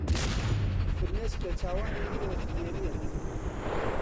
فرمێسک لە چاوانی ئێوەش دێنێت